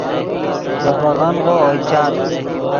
دے پیغنغو اوئے چاد